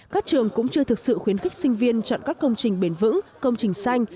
các trường cũng chưa thực sự khuyến khích sinh viên chọn các công trình bền vững công trình xanh